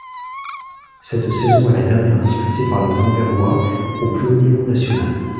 Cette saison est la dernière disputée par les anversois au plus haut niveau national.